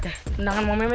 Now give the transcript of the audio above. tendangan mau memet ya